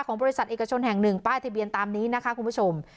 บริษัทเอกชนแห่งหนึ่งป้ายทะเบียนตามนี้นะคะคุณผู้ชม